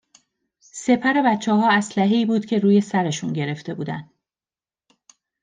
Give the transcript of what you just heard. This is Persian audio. سپر بچهها اسلحهای بود که رو سرشون گرفته بودن